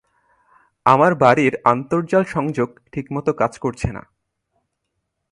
আমার বাড়ির আন্তর্জাল সংযোগ ঠিক মতো কাজ করছে না।